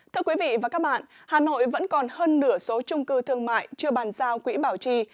thưa quý vị và các bạn hà nội vẫn còn hơn nửa số trung cư thương mại chưa bàn giao quỹ bảo trì